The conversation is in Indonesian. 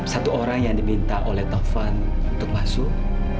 satu orang yang diminta oleh taufan untuk masuk